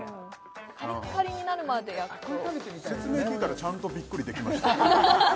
パリッパリになるまで焼くと説明聞いたらちゃんとビックリできました